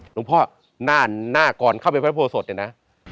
หลวงพ่อหน้าก่อนเข้าไปพระโบสถเนี่ยนะ